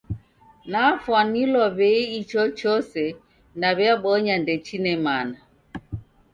Nafwanilwa w'ei ichochose naw'iabonya ndechine mana.